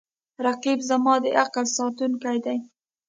رقیب زما د عقل ساتونکی دی